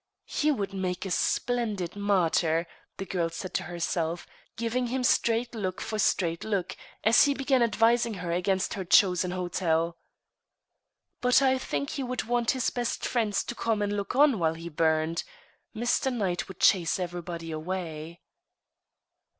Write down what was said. "He would make a splendid martyr," the girl said to herself, giving him straight look for straight look, as he began advising her against her chosen hotel. "But I think he would want his best friends to come and look on while he burned. Mr. Knight would chase everybody away."